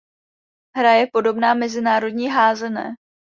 Hra je podobná mezinárodní házené.